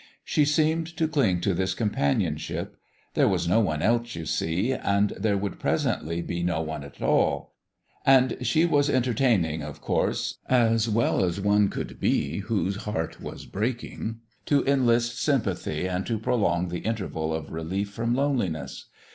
She seemed to cling to this companionship : there was no one else, you see, and there would presently be no one at all ; and she was enter PICK AND SHOYEL 49 taining, of course as well as one could be whose heart was breaking to enlist sympathy and to prolong the interval of relief from loneli ness.